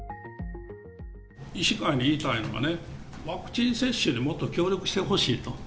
医師会に言いたいのはね、ワクチン接種にもっと協力してほしいと。